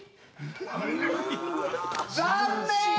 残念！